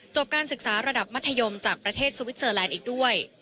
การศึกษาระดับมัธยมจากประเทศสวิสเซอร์แลนด์อีกด้วย